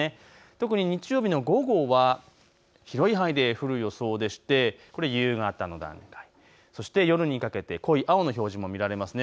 特に日曜日の午後は広い範囲で降る予想でしてこれ夕方の段階、そして夜にかけて濃い青の表示も見られますね。